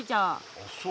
あっそう？